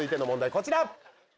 こちら。